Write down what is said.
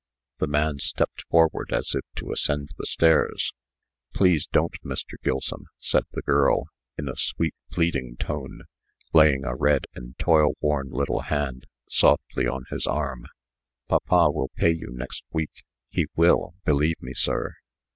The man stepped forward, as if to ascend the stairs. "Please don't, Mr. Gilsum," said the girl, in a sweet, pleading tone, laying a red and toilworn little hand softly on his arm. "Papa will pay you next week. He will, believe me, sir."